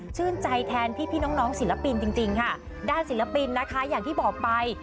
ชื่นใจแทนพี่น้องศิลปินจริงจริงค่ะด้านศิลปินนะคะอย่างที่บอกไป